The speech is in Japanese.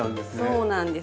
そうなんですよ。